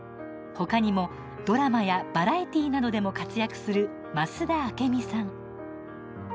ほかにもドラマやバラエティーなどでも活躍する増田明美さん。